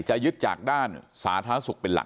จะยึดจากด้านสาธารณสุขเป็นหลัก